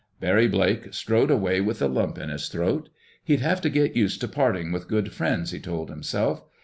Barry Blake strode away with a lump in his throat. He'd have to get used to parting with good friends, he told himself.